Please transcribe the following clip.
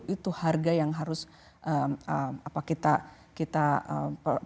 itu harga yang harus kita kita kita kita kita kita harus dikatakan